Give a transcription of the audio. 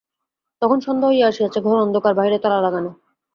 তখন সন্ধ্যা হইয়া আসিয়াছে, ঘর অন্ধকার, বাহিরে তালা লাগানো।